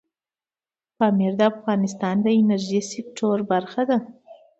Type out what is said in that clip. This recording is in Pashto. پامیر د افغانستان د انرژۍ سکتور برخه ده.